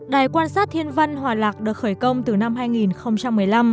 đài quan sát thiên văn hòa lạc được khởi công từ năm hai nghìn một mươi năm